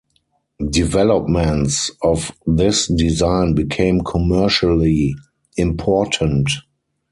Developments of this design became commercially important.